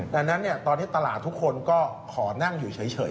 ดังนั้นตอนนี้ตลาดทุกคนก็ขอนั่งอยู่เฉย